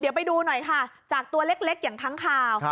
เดี๋ยวไปดูหน่อยค่ะจากตัวเล็กอย่างค้างคาว